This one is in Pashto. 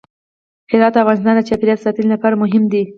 هرات د افغانستان د چاپیریال ساتنې لپاره مهم دی.